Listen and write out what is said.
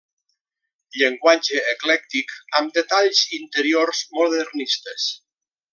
Llenguatge eclèctic amb detalls interiors modernistes.